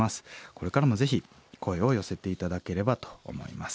これからもぜひ声を寄せて頂ければと思います。